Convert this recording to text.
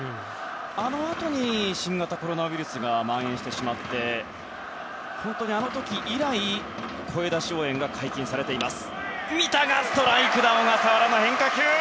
あのあとに新型コロナウイルスがまん延してしまって本当に、あの時以来声出し応援が解禁されています。